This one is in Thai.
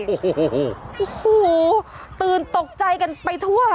โอ้โหตื่นตกใจกันไปทั่ว